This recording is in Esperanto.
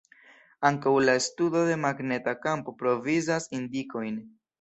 Ankaŭ la studo de magneta kampo provizas indikojn.